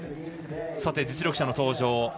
さて、実力者の登場。